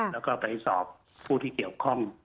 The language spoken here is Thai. แล้วก็ไปสอบผู้ที่เกี่ยวข้อง